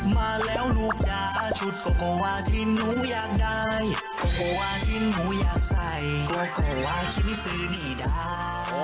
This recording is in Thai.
มาแล้วลูกจ๋าชุดโคโกว่าที่หนูอยากได้โคโกว่าที่หนูอยากใส่โคโกว่าฮิมิสุนีดา